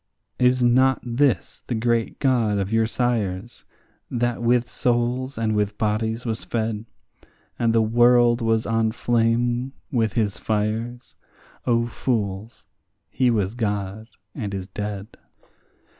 Is not this the great God of your sires, that with souls and with bodies was fed, And the world was on flame with his fires? O fools, he was God, and is dead.